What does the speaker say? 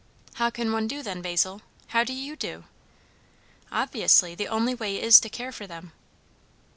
"How can one do then, Basil? How do you do?" "Obviously, the only way is to care for them."